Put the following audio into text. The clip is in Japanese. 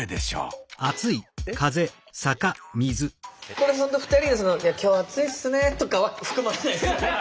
これ２人が「今日暑いっすね」とかは含まれないですよね？